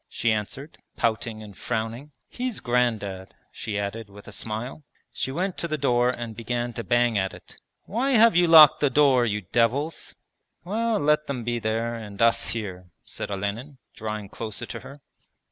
she answered, pouting and frowning. 'He's Grandad,' she added with a smile. She went to the door and began to bang at it. 'Why have you locked the door, you devils?' 'Well, let them be there and us here,' said Olenin, drawing closer to her.